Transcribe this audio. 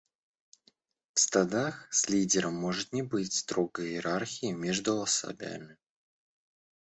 В стадах с лидером может не быть строгой иерархии между особями.